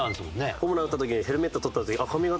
ホームラン打った時にヘルメット取った時髪形